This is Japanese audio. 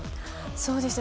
そうですね